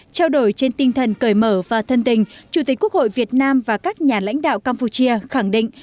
trao đổi trên tinh thần cởi mở và thân tình chủ tịch quốc hội việt nam và các nhà lãnh đạo campuchia khẳng định